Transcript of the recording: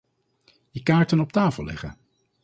Je kaarten op tafel leggen.